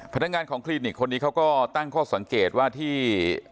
พนักงานของคลินิกคนนี้เขาก็ตั้งข้อสังเกตว่าที่